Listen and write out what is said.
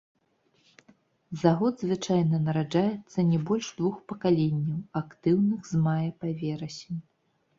За год звычайна нараджаецца не больш двух пакаленняў, актыўных з мая па верасень.